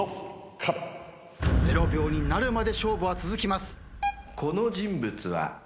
０秒になるまで勝負は続きます。